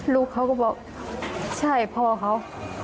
ลูกเขาก็บอกใช่พ่อเขา